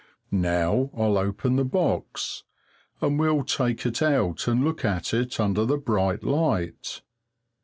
Now I'll open the box, and we'll take it out and look at it under the bright light.